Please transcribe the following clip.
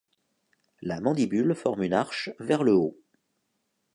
La mandibule forme une arche vers le haut.